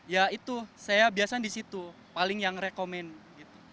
ya itu saya biasanya disitu paling yang rekomend gitu